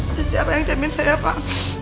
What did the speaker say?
itu siapa yang jamin saya pak